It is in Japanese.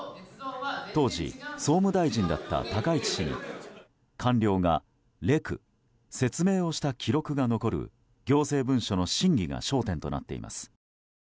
当時、総務大臣だった高市氏に官僚がレク、説明をした記録が残る行政文書の真偽が焦点となっています。